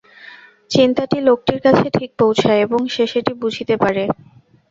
চিন্তাটি লোকটির কাছে ঠিক পৌঁছায়, এবং সে সেটি বুঝিতে পারে।